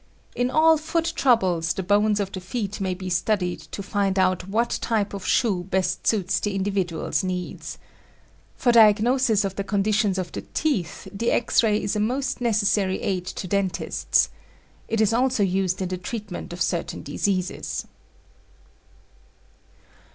In all foot troubles the bones of the feet may be studied to find out what type of shoe best suits the individual's needs. For diag nosis of the conditions of the teeth the X ray is a most necessary aid to dentists. It is also used in the treatment of certain diseases.